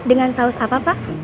dengan saus apa pak